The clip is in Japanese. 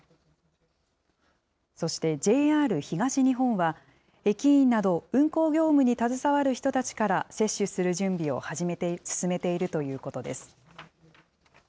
そしてＪＲ東日本は、駅員など運行業務に携わる人たちから接種する準備を進めているということです。